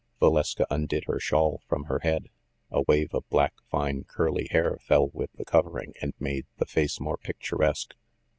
Valeska undid her shawl from her head. A wave of black, fine, curly hair fell with the covering and made the face more picturesque.